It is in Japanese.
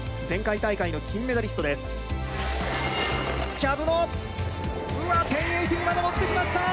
前回大会の金メダリストです。